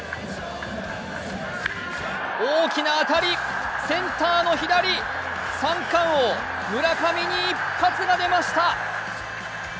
大きな当たり、センターの左、三冠王・村上に一発が出ました。